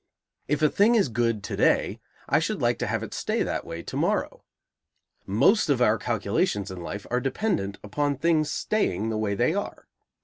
If a thing is good to day, I should like to have it stay that way to morrow. Most of our calculations in life are dependent upon things staying the way they are.